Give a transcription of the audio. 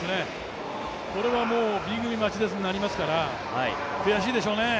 これはＢ組待ちになりますから、悔しいでしょうね。